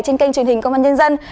trên kênh truyền hình công an nhân dân